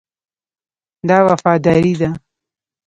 دا وفاداري ده.